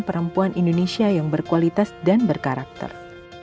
perempuan indonesia yang berkualitas dan berkarakter